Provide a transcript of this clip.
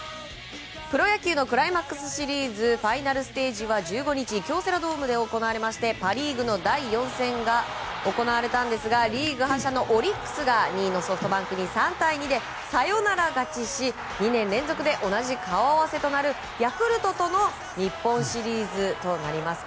プロ野球のクライマックスシリーズファイナルステージは１５日京セラドームで行われましてパ・リーグの第４戦が行われたんですがリーグ覇者のオリックスが２位のソフトバンクに３対２でサヨナラ勝ちし２年連続で同じ顔合わせとなるヤクルトとの日本シリーズとなります。